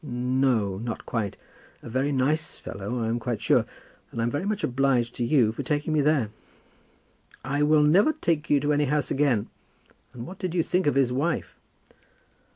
"N o, not quite; a very nice fellow, I'm quite sure, and I'm very much obliged to you for taking me there." "I never will take you to any house again. And what did you think of his wife?"